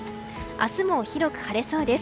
明日も広く晴れそうです。